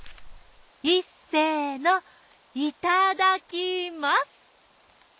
いっせのいただきます！